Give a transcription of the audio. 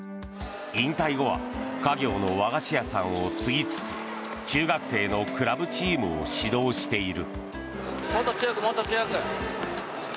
引退後は家業の和菓子屋さんを継ぎつつ中学生のクラブチームを指導している。